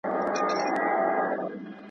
سپین اغوستي لکه بطه غوندي ښکلی.